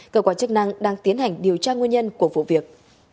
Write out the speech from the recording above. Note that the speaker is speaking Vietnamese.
cơ quan chức năng đang tiến hành điều tra nguyên nhân của vụ việc